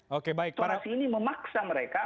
sosialitas ini memaksa mereka